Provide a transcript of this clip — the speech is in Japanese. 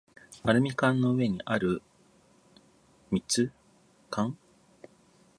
アルミ缶の上にある蜜柑